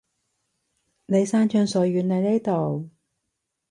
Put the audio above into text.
你山長水遠嚟呢度